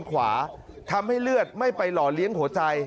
ขวาทำให้เลือดไม่ไปหล่อเลี้ยงหัวใจ